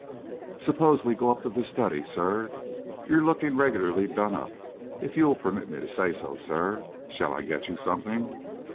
"Suppose we go up to the study, sir. You're looking regularly done up, if you'll permit me to say so, sir. Shall I get you something?"